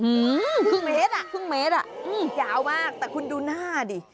อืมครึ่งเมตรอ่ะครึ่งเมตรอ่ะอืมยาวมากแต่คุณดูหน้าดิ